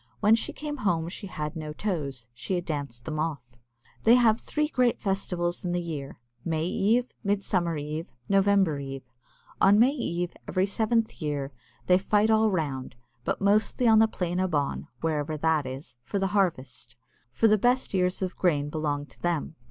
When she came home she had no toes she had danced them off. They have three great festivals in the year May Eve, Midsummer Eve, November Eve. On May Eve, every seventh year, they fight all round, but mostly on the "Plain a Bawn" (wherever that is), for the harvest, for the best ears of grain belong to them.